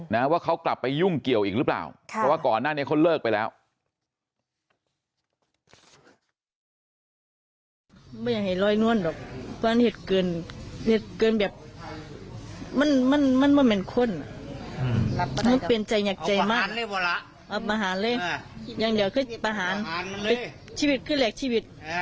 นะว่าเขากลับไปยุ่งเกี่ยวอีกหรือเปล่าเพราะว่าก่อนหน้านี้เขาเลิกไปแล้ว